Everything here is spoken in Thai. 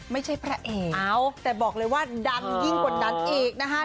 พระเอกแต่บอกเลยว่าดังยิ่งกว่านั้นอีกนะคะ